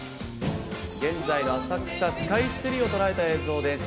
現在の浅草、スカイツリーを捉えた映像です。